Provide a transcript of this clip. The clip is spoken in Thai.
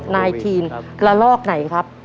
แล้วรอบไหนครับ